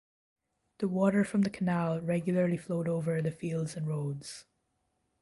The water from the canal regularly flowed over the fields and roads.